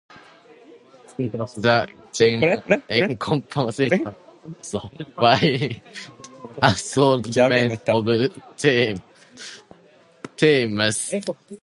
The genre encompasses a wide assortment of themes.